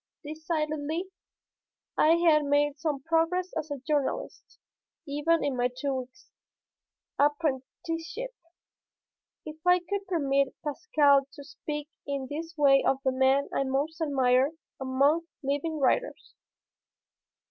Decidedly. I had made some progress as a journalist, even in my two weeks' apprenticeship, if I could permit Pascal to speak in this way of the man I most admired among living writers.